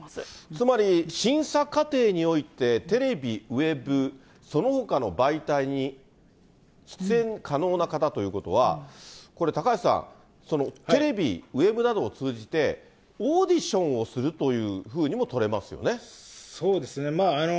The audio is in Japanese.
つまり、審査過程においてテレビ、ウェブ、そのほかの媒体に出演可能な方ということは、これ、高橋さん、テレビ、ウェブなどを通じてオーディションをするというふうにも取れますそうですね。